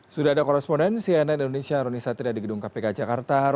sudah ada koresponden cnn indonesia roni satria di gedung kpk jakarta